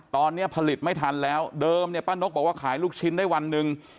ตอนนี้ผลิตไม่ทันแล้วเดิมเนี่ยป้านกบอกว่าขายลูกชิ้นได้วันหนึ่ง